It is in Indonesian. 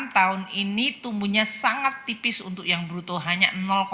tahun ini tumbuhnya sangat tipis untuk yang bruto hanya